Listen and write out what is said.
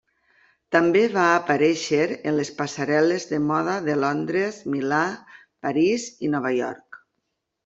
També va aparèixer en les passarel·les de moda de Londres, Milà, París i Nova York.